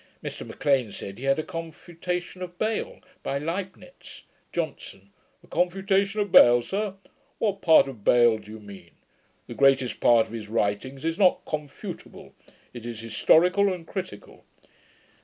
Mr M'Lean said, he had a confutation of Bayle, by Leibnitz. JOHNSON. 'A confutation of Bayle, sir! What part of Bayle do you mean? The greatest part of his writings is not confutable: it is historical and critical.'